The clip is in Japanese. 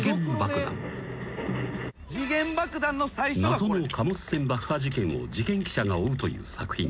［謎の貨物船爆破事件を事件記者が追うという作品］